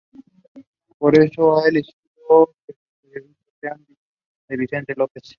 Por eso, ha elegido que sus periodistas sean de Vicente López.